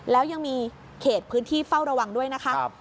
แล้วยังมีเขตพื้นที่เฝ้าระวังด้วยนะคะ